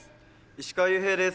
石川裕平です。